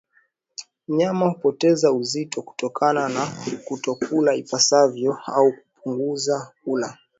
Mnyama hupoteza uzito kutokana na kutokula ipasavyo au kupunguza kula